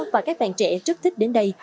và các bạn trẻ rất thích đến đây